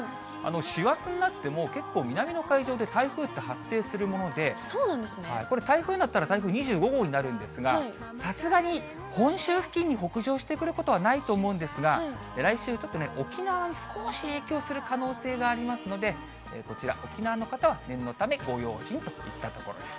師走になっても結構、南の海上で台風って発生するもので、これ、台風になったら台風２５号になるんですが、さすがに本州付近に北上してくることはないと思うんですが、来週、ちょっとね、沖縄に少し影響する可能性がありますので、こちら、沖縄の方は念のため、ご用心といったところです。